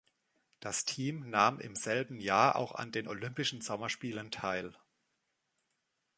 Das Team nahm im selben Jahr auch an den Olympischen Sommerspielen teil.